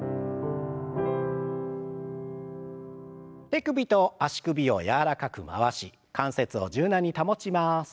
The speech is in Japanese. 手首と足首を柔らかく回し関節を柔軟に保ちます。